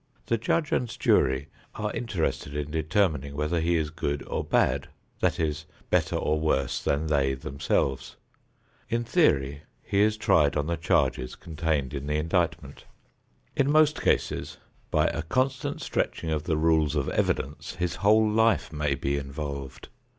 The judge and jury are interested in determining whether he is good or bad; that is, better or worse than they themselves. In theory he is tried on the charges contained in the indictment. In most cases by a constant stretching of the rules of evidence his whole life may be involved.